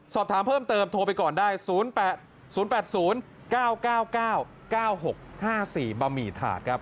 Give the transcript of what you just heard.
สอบถามเพิ่มเติมโทรไปก่อนได้๐๘๐๘๐๙๙๙๙๙๖๕๔บะหมี่ถาดครับ